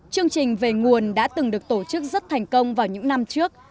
chương trình về nguồn đã từng được tổ chức rất thành công vào những năm trước